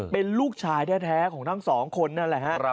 เป็นลูกชายแท้ของทั้งสองคนนั่นแหละฮะ